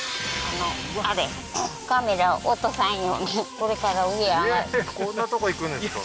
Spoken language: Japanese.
こんなとこ行くんですか？